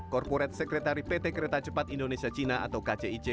korporat sekretari pt kereta cepat indonesia cina atau kcic